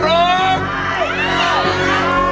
ไอ้ไอ้